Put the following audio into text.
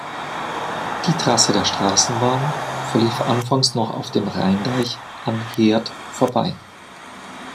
Die Trasse der Straßenbahn verlief anfangs noch auf dem Rhein-Deich an Heerdt vorbei.